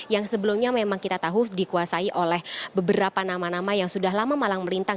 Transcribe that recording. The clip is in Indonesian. yang sebelumnya memang kita tahu dikuasai oleh beberapa nama nama yang sudah lama malang melintang